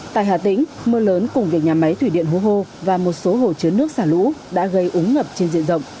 tại hà tĩnh mưa lớn cùng việc nhà máy thủy điện hố hô và một số hồ chứa nước xả lũ đã gây úng ngập trên diện rộng